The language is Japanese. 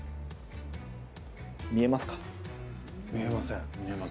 見えますか？